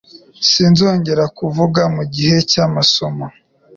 Sinzongera kuvuga mu gihe cy'amasomo.